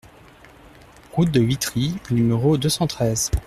Route de Witry au numéro deux cent treize